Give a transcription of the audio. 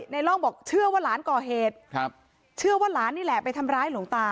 ร่องบอกเชื่อว่าหลานก่อเหตุครับเชื่อว่าหลานนี่แหละไปทำร้ายหลวงตา